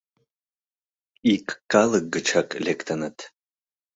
— Ик калык гычак лектыныт.